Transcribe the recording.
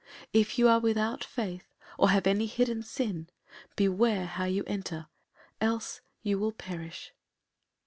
If you are without faith, or have any hidden sin, beware how you enter, else you will perish."